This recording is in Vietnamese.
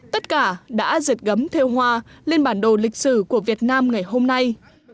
tất cả đã dệt gấm theo hoa lên bản đồ lịch sử của việt nam ngày hôm nay